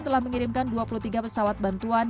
telah mengirimkan dua puluh tiga pesawat bantuan